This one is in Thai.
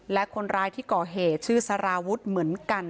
และคนร้ายที่ก่อเหตุชื่อสารวุฒิเหมือนกัน